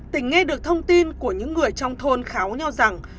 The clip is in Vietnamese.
tỉnh nghe được thông tin của những người trong thôn kháo nho rằng